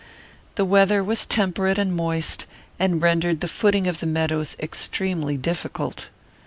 The weather was temperate and moist, and rendered the footing of the meadows extremely difficult.